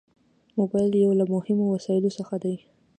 موبایل یو له مهمو وسایلو څخه دی.